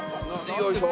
よいしょ。